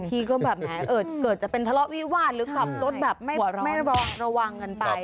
ที่ก็แบบแหมเกิดจะเป็นทะเลาะวิวาสหรือขับรถแบบไม่ระวังกันไป